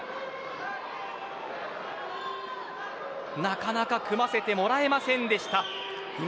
なかなか組ませてもらえませんでした。